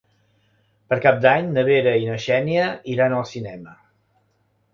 Per Cap d'Any na Vera i na Xènia iran al cinema.